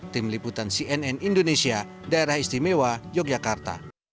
tim liputan cnn indonesia daerah istimewa yogyakarta